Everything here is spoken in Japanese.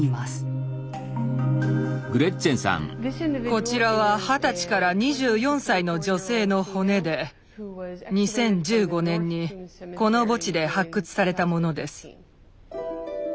こちらは二十歳から２４歳の女性の骨で２０１５年にこの墓地で発掘されたものです。